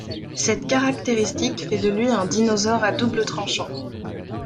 Cette caractéristique fait de lui un dinosaure à double tranchant.